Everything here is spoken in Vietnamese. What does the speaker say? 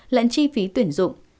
lẫn chi phí tuyển dụng